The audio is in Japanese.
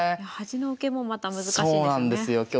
端の受けもまた難しいですよね。